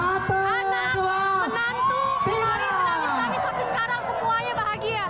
anak menantu kemarin nangis nangis sampai sekarang semuanya bahagia